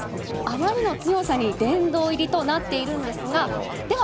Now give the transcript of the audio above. あまりの強さに殿堂入りとなっているんですがで